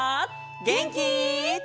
げんき？